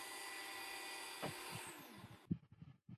此外芝加哥大学的耶基斯天文台也是他捐建的。